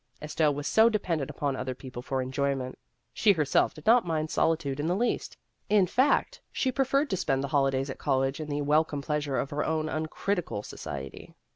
Estelle was so de pendent upon other people for enjoy ment ! She herself did not mind solitude in the least ; in fact, she preferred to spend A Case of Incompatibility 143 the holidays at college in the welcome pleasure of her own uncritical society.